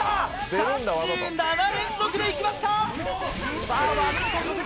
３７連続でいきました！